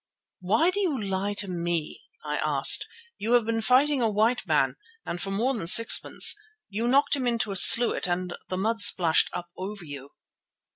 "Why do you lie to me?" I asked. "You have been fighting a white man and for more than sixpence. You knocked him into a sluit and the mud splashed up over you."